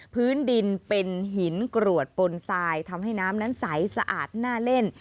พื้นดินเป็นหินกรวดปนทรายทำให้น้ำนั้นใสสะอาดน่าเล่น